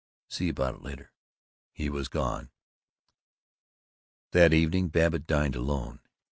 See you about it later." He was gone. That evening Babbitt dined alone.